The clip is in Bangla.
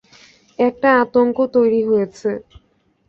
একটা আতঙ্ক তৈরি হয়েছে।